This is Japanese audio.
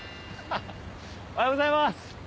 おはようございます！